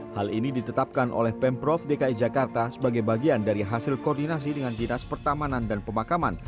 hal ini ditetapkan oleh pemprov dki jakarta sebagai bagian dari hasil koordinasi dengan dinas pertamanan dan pemakaman